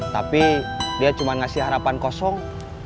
tapi dia cuma ngasih harapan kosong